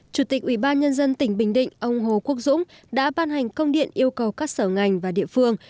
chủ tịch ubnd tỉnh bình định ông hồ quốc dũng đã ban hành công điện yêu cầu các sở ngành và địa phương